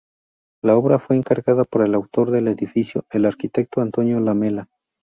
La obra fue encargada por el autor del edificio, el arquitecto Antonio Lamela.